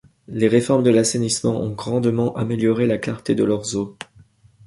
Les réformes de l'assainissement ont grandement amélioré la clarté de leurs eaux.